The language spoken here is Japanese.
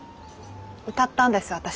歌ったんです私。